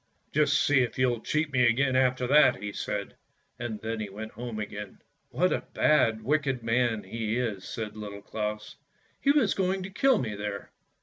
"Just see if you'll cheat me again after that!" he said, and then he went home again. " What a bad, wicked man he is," said Little Claus; " he was going to kill me there.